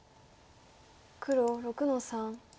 黒６の三。